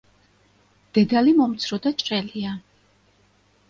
დედალი მომცრო და ჭრელია.